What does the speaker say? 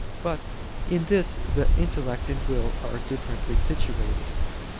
But in this the intellect and will are differently situated.